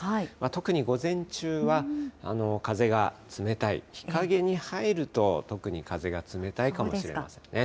特に午前中は、風が冷たい、日陰に入ると特に風が冷たいかもしれませんね。